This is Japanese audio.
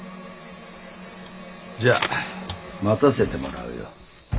じゃあ待たせてもらうよ。